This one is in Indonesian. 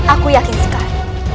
aku yakin sekali